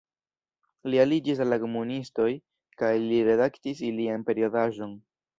Li aliĝis al la komunistoj kaj li redaktis ilian periodaĵon.